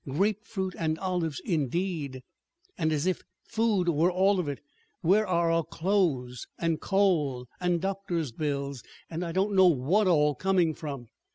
"Grapefruit and olives, indeed! And as if food were all of it! Where are our clothes and coal and and doctor's bills, and I don't know what all coming from?